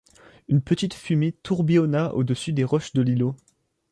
Une petite fumée tourbillonna au-dessus des roches de l’îlot.